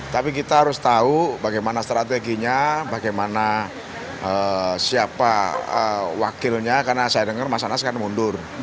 tapi kita harus tahu bagaimana strateginya bagaimana siapa wakilnya karena saya dengar mas anas kan mundur